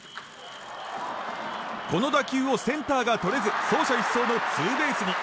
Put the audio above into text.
この打球をセンターがとれず走者一掃のツーベースに。